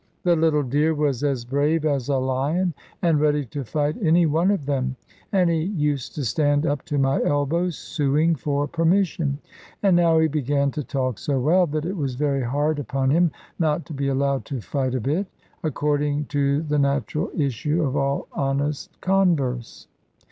The little dear was as brave as a lion, and ready to fight any one of them; and he used to stand up to my elbow, suing for permission. And now he began to talk so well, that it was very hard upon him not to be allowed to fight a bit; according to the natural issue of all honest converse.